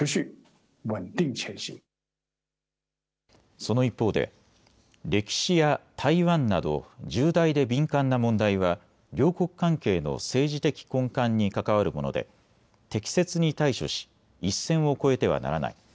その一方で歴史や台湾など重大で敏感な問題は両国関係の政治的根幹に関わるもので適切に対処し一線を越えてはならない。